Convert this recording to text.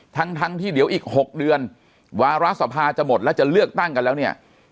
ทั้งทั้งที่เดี๋ยวอีก๖เดือนวาระสภาจะหมดแล้วจะเลือกตั้งกันแล้วเนี่ย